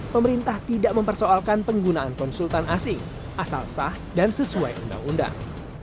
pemerintah tidak mempersoalkan penggunaan konsultan asing asal sah dan sesuai undang undang